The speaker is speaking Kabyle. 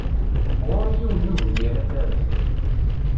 Ɣur-i yiwen n ugemmir ad t-aruɣ.